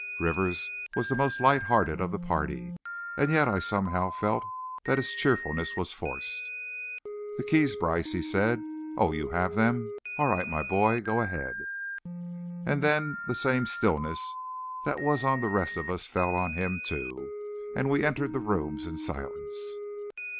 Rivers was the most light hearted of the party, and yet I somehow felt that his cheerfulness was forced. "The keys, Brice?" he said; "oh, you have them. All right, my boy, go ahead." And then the same stillness that was on the rest of us fell on him, too, and we entered the rooms in silence.